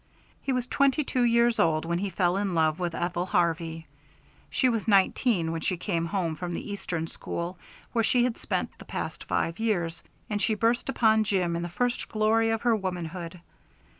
He was twenty two years old when he fell in love with Ethel Harvey. She was nineteen when she came home from the Eastern school where she had spent the past five years, and she burst upon Jim in the first glory of her womanhood.